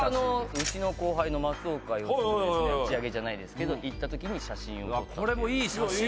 うちの後輩の松岡禎丞と打ち上げじゃないですけど行った時に写真を撮った。